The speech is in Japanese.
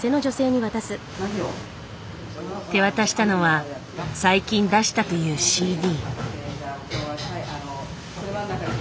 手渡したのは最近出したというＣＤ。